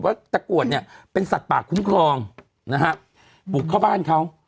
ตะกรวดเนี่ยเป็นสัตว์ป่าคุ้มครองนะฮะบุกเข้าบ้านเขา